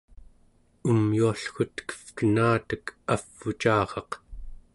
umyuallgutkevkenatek avvucaraq